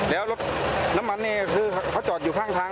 แล้วรถน้ำมันนี่คือเขาจอดอยู่ข้างทาง